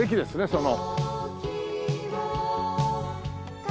その。